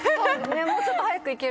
もうちょっと早くいけるかと。